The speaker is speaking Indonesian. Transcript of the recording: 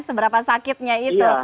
seberapa sakitnya itu